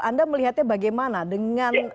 anda melihatnya bagaimana dengan